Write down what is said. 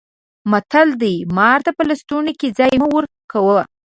متل دی: مار ته په لستوڼي کې ځای مه ورکوه.